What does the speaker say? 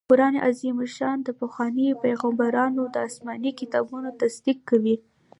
قرآن عظيم الشان د پخوانيو پيغمبرانو د اسماني کتابونو تصديق کوي